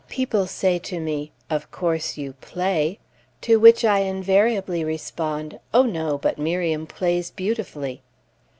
People say to me, "Of course you play?" to which I invariably respond, "Oh, no, but Miriam plays beautifully!"